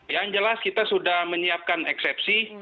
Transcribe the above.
yang jelas kita sudah menyiapkan eksepsi